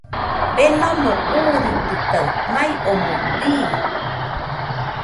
Denomo uuritɨkaɨ, mai omoɨ bii.